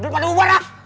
dulu pada bubar ah